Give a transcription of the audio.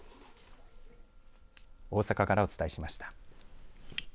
大阪からお伝えしました。